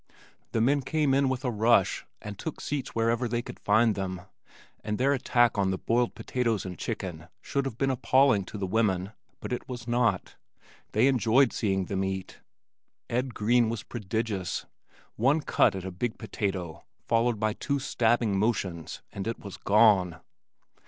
The men came in with a rush, and took seats wherever they could find them, and their attack on the boiled potatoes and chicken should have been appalling to the women, but it was not. They enjoyed seeing them eat. Ed Green was prodigious. One cut at a big potato, followed by two stabbing motions, and it was gone.